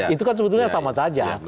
itu kan sebetulnya sama saja